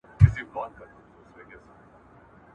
• په ډېري کې خوره، په لږي کي ست کوه.